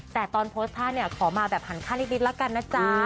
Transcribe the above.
แต่ตอนโพสต์ท่าเนี่ยขอมาแบบหันค่านิดละกันนะจ๊ะ